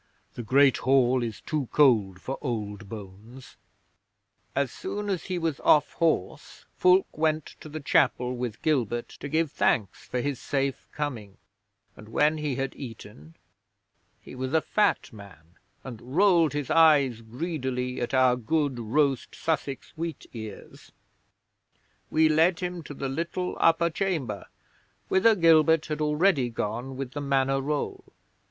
The Great Hall is too cold for old bones." 'As soon as he was off horse Fulke went to the chapel with Gilbert to give thanks for his safe coming, and when he had eaten he was a fat man, and rolled his eyes greedily at our good roast Sussex wheatears we led him to the little upper chamber, whither Gilbert had already gone with the Manor roll.